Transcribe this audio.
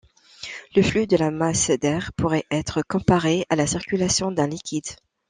Le flux de la masse d'air pourrait être comparé à la circulation d'un liquide.